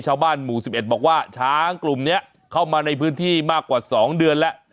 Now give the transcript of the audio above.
ชาวบ้านหมู่๑๑บอกว่าช้างกลุ่มนี้เข้ามาในพื้นที่มากกว่า๒เดือนแล้ว